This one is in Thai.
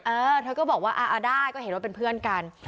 เออเธอก็บอกว่าอ่าได้ก็เห็นว่าเป็นเพื่อนกัน